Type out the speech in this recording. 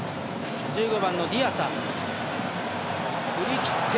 １５番のディアタ。